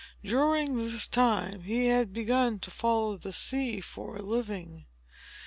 During this time he had begun to follow the sea for a living.